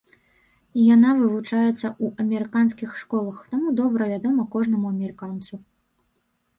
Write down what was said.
Яна вывучаецца ў амерыканскіх школах, таму добра вядома кожнаму амерыканцу.